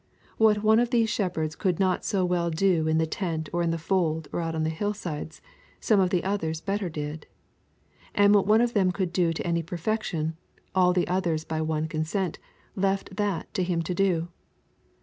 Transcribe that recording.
What one of those shepherds could not so well do in the tent or in the fold or out on the hillside, some of the others better did. And what one of them could do to any perfection all the others by one consent left that to him to do.